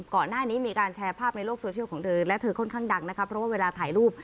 ก่อนหน้านี้มีการแชร์ภาพในโลกโซเชียลของเธอและเธอค่อนข้างดังนะคะเพราะว่าเวลาถ่ายรูป